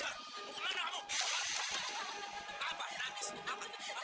yana pokoknya besok kamu kerja sama kang herman